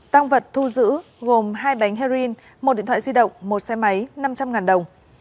tăng vật thu giữ gồm hai bánh heroin một điện thoại di động một xe máy năm trăm linh đồng